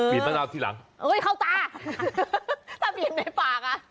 บีบมะนาวทีหลังอุ้ยเค้าตาทำเป็นในฝากอ่ะ